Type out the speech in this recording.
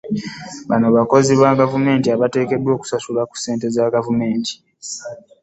Bano bakozi ba gavumenti abateekeddwa okusasulwa ku ssente za gavumenti